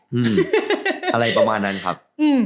อะไรประมาณนั้นครับ